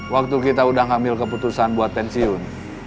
waktu kita udah ngambil keputusan buat pensiun